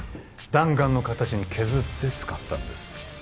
弾丸の形に削って使ったんです